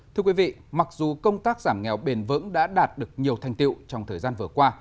thưa quý vị mặc dù công tác giảm nghèo bền vững đã đạt được nhiều thành tiệu trong thời gian vừa qua